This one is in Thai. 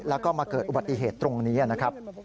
แล้วก็มาเกิดอุบัติเหตุตรงนี้นะครับ